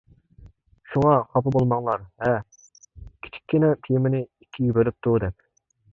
شۇڭا خاپا بولماڭلار ھە كىچىككىنە تېمىنى ئىككىگە بۆلۈپتۇ دەپ.